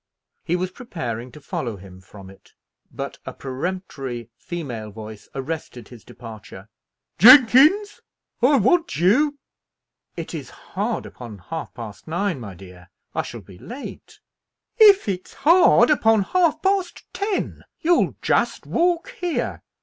He was preparing to follow him from it, but a peremptory female voice arrested his departure. "Jenkins, I want you." "It is hard upon half past nine, my dear. I shall be late." "If it's hard upon half past ten, you'll just walk here.